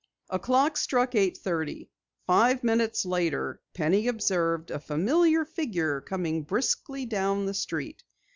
A clock struck eight thirty. Five minutes later Penny observed a familiar figure coming briskly down the street.